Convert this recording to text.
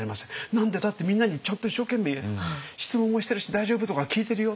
「何でだってみんなにちゃんと一生懸命質問もしてるし『大丈夫？』とか聞いてるよ」。